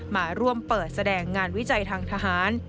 มาร่วมเปิดแสดงงานวิจัยทางทหาร